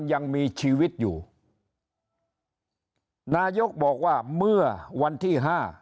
ยังมีชีวิตอยู่นายกบอกว่าเมื่อวันที่ห้า